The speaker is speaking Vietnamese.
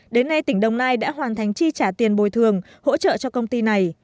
đến nay tỉnh đồng nai đã hoàn thành chi trả tiền bồi thường hỗ trợ cho công ty này